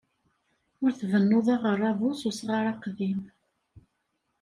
Ur tbennuḍ aɣerrabu s usɣar aqdim.